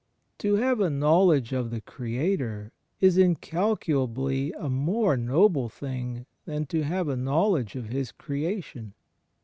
To have a knowl edge of the Creator is incalculably a more noble thing than to have a knowledge of His Creation.